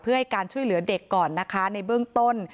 เพื่อให้การช่วยเหลือเด็กก่อนนะคะในเบื้องต้น